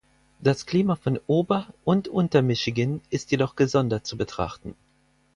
Das Klima von Ober- und Unter-Michigan ist jedoch gesondert zu betrachten.